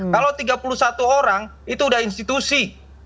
kalau tiga puluh satu orang itu udah institusi